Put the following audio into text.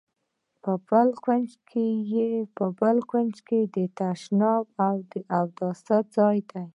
په بل کونج کې یې تشنابونه او د اوداسه ځای دی.